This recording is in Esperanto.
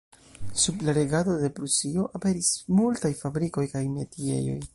Sub la regado de Prusio aperis multaj fabrikoj kaj metiejoj.